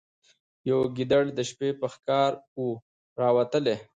یو ګیدړ د شپې په ښکار وو راوتلی